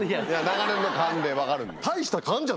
長年の勘で分かる。